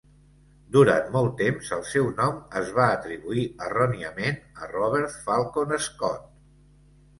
Durant molt temps, el seu nom es va atribuir erròniament a Robert Falcon Scott.